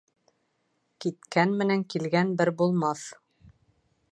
Киткән менән килгән бер булмаҫ.